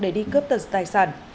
để đi cướp tài sản